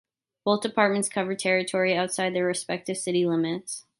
Both departments cover territory outside their respective city limits.